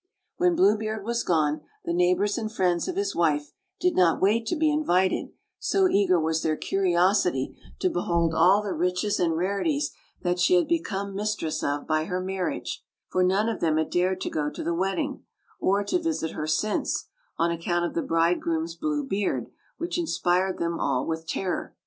When Blue Beard was gone the neighbors and friends of his wife did not wait to be invited, so eager was their curiosity to behold all the riches and rarities that she had become mistress of by her marriage; for none of them had dared to go to the wedding, or to visit her since, on account of the bridegroom's blue beard, which inspired them all with terror.